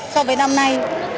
so với năm nay